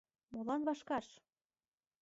Молан вашкаш?